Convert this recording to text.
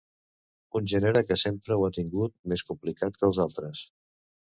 Un gènere que sempre ho ha tingut més complicat que els altres.